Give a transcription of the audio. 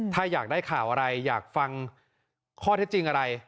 ถ้าอยากได้ข่าวอะไรอยากฟังข้อเท็จจริงอะไร